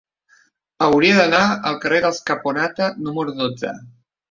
Hauria d'anar al carrer dels Caponata número dotze.